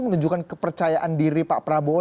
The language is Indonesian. menunjukkan kepercayaan diri pak prabowo